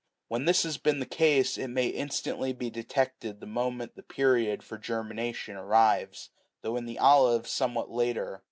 "When this has been the case, it may instantly be detected the moment the period for germination arrives, though, in the olive, somewhat later.